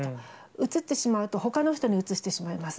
うつってしまうと、ほかの人にうつしてしまいます。